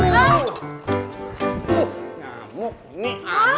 ngamuk nih ngamuk